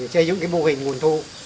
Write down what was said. chơi những mô hình nguồn thu